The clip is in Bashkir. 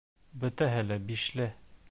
Бөтәһе лә «бишле».